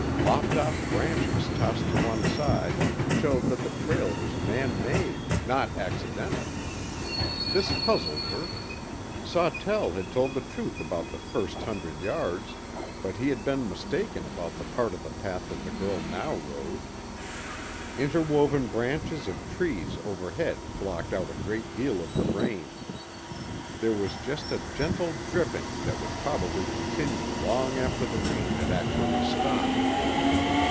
Lopped off branches tossed to one side showed that the trail was man made, not accidental. This puzzled her. Sawtell had told the truth about the first hundred yards, but he had been mistaken about the part of the path the girl now rode. Interwoven branches of trees overhead blocked out a great deal of the rain. There was just a gentle dripping that would probably continue long after the rain had actually stopped.